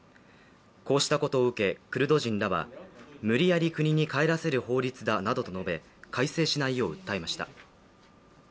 こうしたことを受け、クルド人らは無理やり国に帰らせる法律だなどと述べ改正しないよう訴えました。